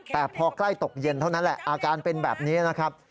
แต่พอใกล้ตกเย็นเท่านั้นแหละอาการเป็นแบบนี้นะครับ